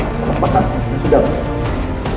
bahkan ini sudah baik